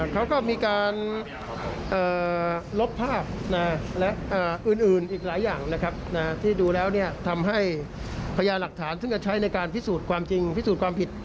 เขาก็มีการลบภาพและอื่นอีกหลายอย่างนะครับที่ดูแล้วทำให้พญาหลักฐานซึ่งจะใช้ในการพิสูจน์ความจริงพิสูจน์ความผิด